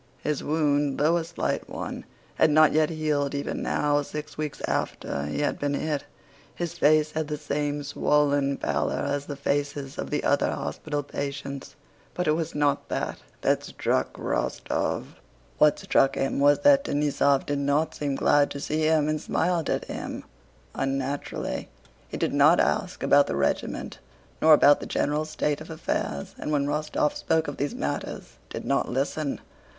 His wound, though a slight one, had not yet healed even now, six weeks after he had been hit. His face had the same swollen pallor as the faces of the other hospital patients, but it was not this that struck Rostóv. What struck him was that Denísov did not seem glad to see him, and smiled at him unnaturally. He did not ask about the regiment, nor about the general state of affairs, and when Rostóv spoke of these matters did not listen.